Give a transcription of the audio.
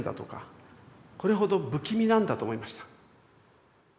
これほど不気味なんだと思いました。